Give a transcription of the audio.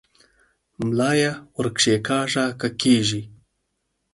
ملا یې ور کښېکاږه که کېږي؟